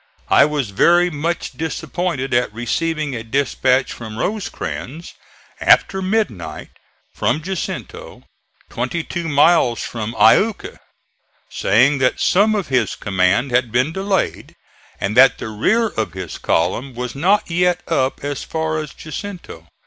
I was very much disappointed at receiving a dispatch from Rosecrans after midnight from Jacinto, twenty two miles from Iuka, saying that some of his command had been delayed, and that the rear of his column was not yet up as far as Jacinto.